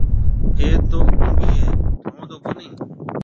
اَي تو گُونگِي هيَ ٿُون تو ڪونِي۔